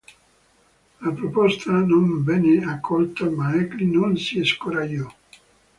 La proposta non venne accolta, ma egli non si scoraggiò.